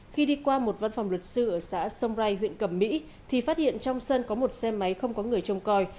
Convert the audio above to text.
khi đi qua một văn phòng luật sư ở xã sông rai huyện cầm mỹ thì phát hiện trong sân có một xe máy không có người trông coi